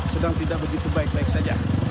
sedang tidak begitu baik baik saja